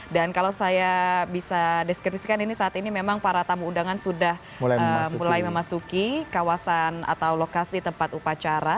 dan kalau saya bisa deskripsikan ini saat ini memang para tamu undangan sudah mulai memasuki kawasan atau lokasi tempat upacara